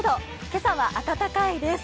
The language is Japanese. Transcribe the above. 今朝は暖かいです。